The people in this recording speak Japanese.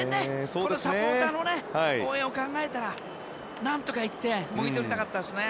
このサポーターの応援を考えたら、何とか１点もぎ取りたかったですね。